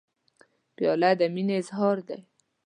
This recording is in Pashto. پیاله د مینې اظهار دی.